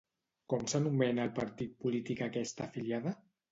Com s'anomena el partit polític a què està afiliada?